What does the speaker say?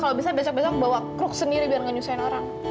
kalau bisa besok besok bawa kruk sendiri biar ngeyusain orang